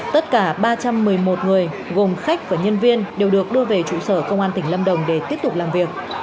tất cả ba trăm một mươi một người gồm khách và nhân viên đều được đưa về trụ sở công an tỉnh lâm đồng để tiếp tục làm việc